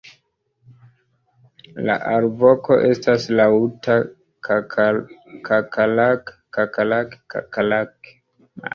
La alvoko estas laŭta "kakalak-kakalak-kakalak".